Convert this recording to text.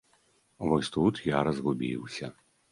Вось тут я разгубіўся.